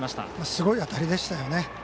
すごい当たりでしたよね。